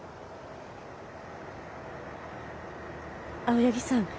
青柳さん